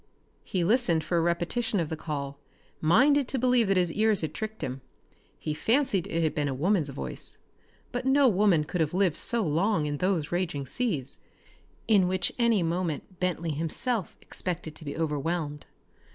He listened for a repetition of the call, minded to believe that his ears had tricked him. He fancied it had been a woman's voice, but no woman could have lived so long in those raging seas, in which any moment Bentley himself expected to be overwhelmed.